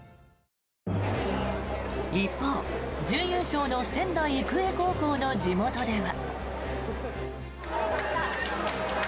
一方、準優勝の仙台育英高校の地元では。